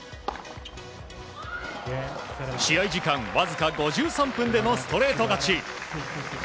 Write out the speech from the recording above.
試合時間わずか５３分でのストレート勝ち。